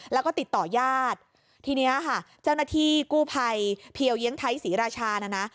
แล้วก็ติดต่อญาติทีเนี้ยค่ะเจ้าหน้าที่กู้ภัยเพียวเยียงไทยศรีราชานะนะ